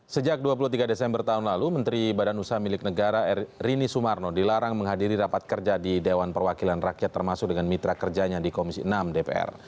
sejak dua puluh tiga desember tahun lalu menteri badan usaha milik negara rini sumarno dilarang menghadiri rapat kerja di dewan perwakilan rakyat termasuk dengan mitra kerjanya di komisi enam dpr